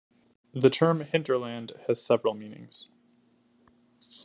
The term "hinterland" has several meanings.